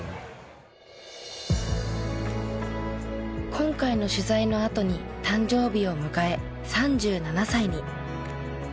今回の取材のあとに誕生日を迎え３７歳に。